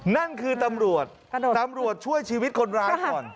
นั่นคือตำรวจตำรวจช่วยชีวิตคนร้ายก่อน